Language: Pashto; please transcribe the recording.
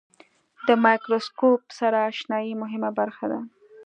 د مایکروسکوپ سره آشنایي مهمه برخه ده.